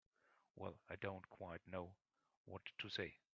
Well—I don't quite know what to say.